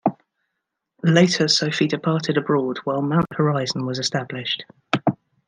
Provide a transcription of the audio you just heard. Later Sophie departed abroad while Mount Horizon was established.